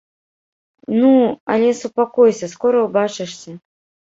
Ну, але супакойся, скора ўбачышся.